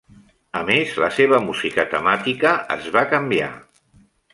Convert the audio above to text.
A més, la seva música temàtica es va canviar.